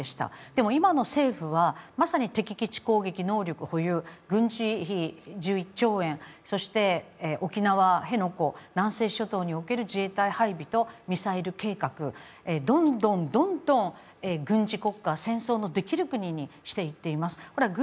でも今の政府はまさに敵基地攻撃能力保有、軍事費１１兆円、そして沖縄辺野古、南西諸島における自衛隊配備とミサイル計画、どんどんどんどん軍事国家、戦争のできる国にしていっています。